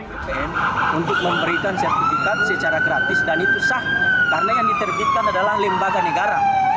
bpm untuk memberikan sertifikat secara gratis dan itu sah karena yang diterbitkan adalah lembaga negara